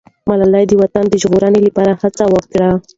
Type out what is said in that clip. ملالۍ د وطن د ژغورنې لپاره هڅه وکړه.